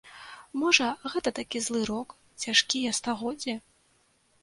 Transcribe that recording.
Можа, гэта такі злы рок, цяжкія стагоддзі?